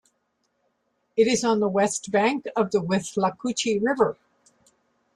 It is on the west bank of the Withlacoochee River.